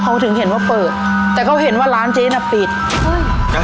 เขาถึงเห็นว่าเปิดแต่เขาเห็นว่าร้านเจ๊น่ะปิดเฮ้ย